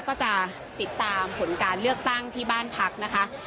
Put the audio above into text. ก็จะติดตามผลการเลือกตั้งที่บ้านพักนะคะ